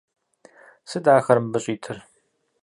Сыт ахэр мыбы щӀитыр?